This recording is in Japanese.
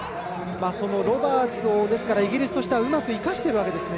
ロバーツをイギリスとしてはうまく生かしてるわけですね。